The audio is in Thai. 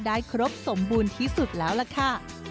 ครบสมบูรณ์ที่สุดแล้วล่ะค่ะ